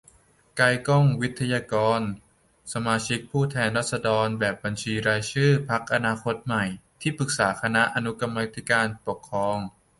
ไกลก้อง ไวทยการ สมาชิกสภาผู้แทนราษฎร แบบบัญชีรายชื่อ พรรคอนาคตใหม่ ที่ปรึกษาคณะอนุกรรมาธิการปกครอง